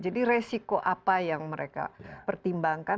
jadi resiko apa yang mereka pertimbangkan